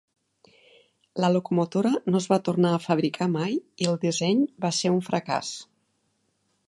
La locomotora no es va tornar a fabricar mai i el disseny va ser un fracàs.